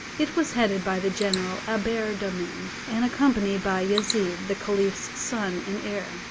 It was headed by the general Abderrahman, and accompanied by Yezid, the Caliph's son and heir.